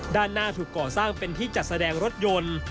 ด้านหน้าถูกก่อสร้างเป็นที่จัดแสดงรถยนต์